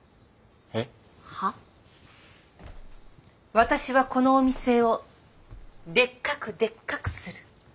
私はこのお店をでっかくでっかくする。